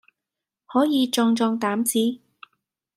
可以壯壯膽子。